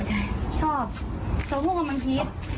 ชอบแต่ว่าพวกมันพิษ